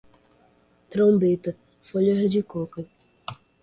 trombeta, folhas de coca